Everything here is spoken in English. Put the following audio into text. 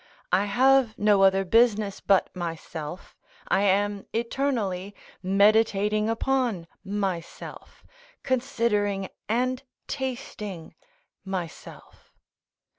I have no other business but myself, I am eternally meditating upon myself, considering and tasting myself.